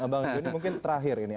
bang joni mungkin terakhir ini